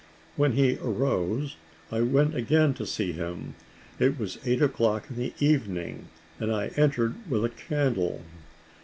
When he arose, I went again to see him. It was eight o'clock in the evening, and I entered with a candle.